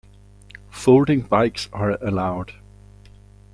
Folding bikes are allowed.